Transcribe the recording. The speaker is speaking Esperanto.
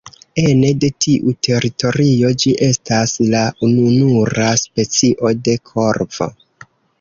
Ene de tiu teritorio ĝi estas la ununura specio de korvo.